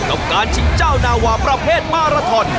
กับการชิงเจ้านาวาประเภทมาราทอน